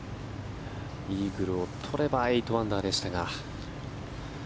イーグルを取れば８アンダーでしたが。